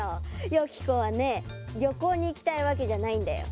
よき子はねりょこうにいきたいわけじゃないんだよね？